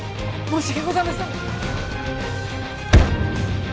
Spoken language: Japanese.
申し訳ございません！